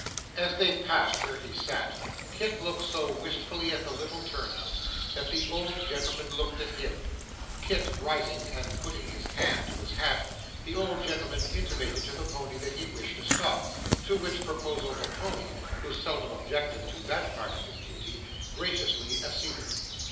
As they passed where he sat, Kit looked so wistfully at the little turn out, that the old gentleman looked at him. Kit rising and putting his hand to his hat, the old gentleman intimated to the pony that he wished to stop, to which proposal the pony (who seldom objected to that part of his duty) graciously acceded.